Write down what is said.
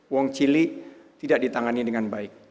uang cili tidak ditangani dengan baik